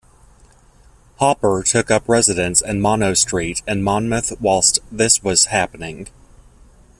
Hopper took up residence in Monnow Street in Monmouth whilst this was happening.